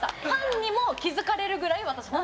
ファンにも気付かれるぐらい私